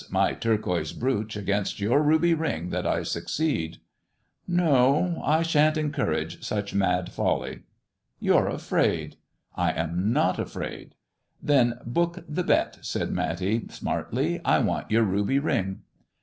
My turquoise brooch against your ruby ring that I succeed." ^^ Ko ; I shan't encourage such mad folly 1 "" You're afraid." 1 am not afraid." " Then book the bet," said Matty smartly. " I want your ruby ring."